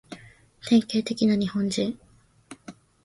典型的な日本人